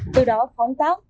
từ đó phóng tác